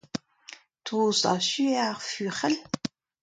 Tost echu eo ar fuc'hell.